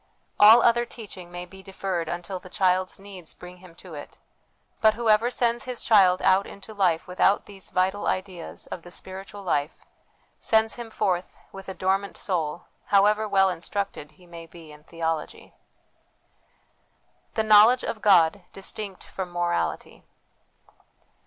All other teaching may be deferred until the child's needs bring him to it ; but whoever sends his child out into life without these vital ideas of the spiritual life, sends him forth with a dormant soul, however well instructed he may be in theology. The Knowledge of God distinct from Moral ity.